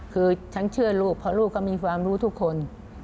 คือฉันเชื่อลูกเพราะลูกก็มีความรู้ทุกคน